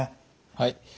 はい。